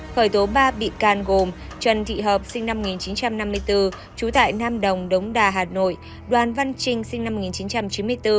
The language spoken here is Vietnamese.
khởi tố ba bị can gồm trần thị hợp sinh năm một nghìn chín trăm năm mươi bốn trú tại nam đồng đống đà hà nội đoàn văn trình sinh năm một nghìn chín trăm chín mươi bốn